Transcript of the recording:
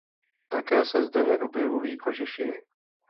Také se zde neobjevují kožešiny.